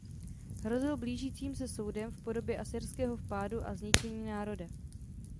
Hrozil blížícím se soudem v podobě asyrského vpádu a zničení národa.